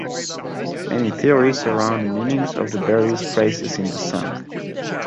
Many theories surround the meanings of the various phrases in the song.